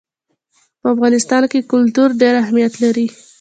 په افغانستان کې کلتور ډېر اهمیت لري.